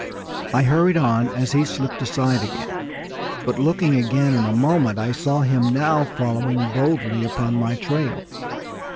I hurried on as he slipped aside again; but looking again in a moment, I saw him now following boldly upon my trail.